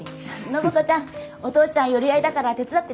暢子ちゃん。お父ちゃん寄り合いだから手伝ってね。